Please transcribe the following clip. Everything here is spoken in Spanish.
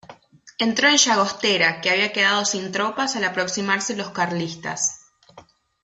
Entró en Llagostera, que había quedado sin tropas al aproximarse los carlistas.